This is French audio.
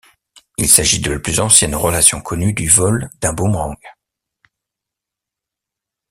Il s'agit de la plus ancienne relation connue du vol d'un boomerang.